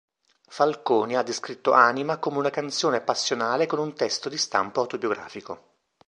Falconi ha descritto "Anima" come una canzone passionale con un testo di stampo autobiografico.